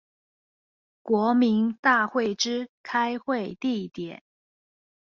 國民大會之開會地點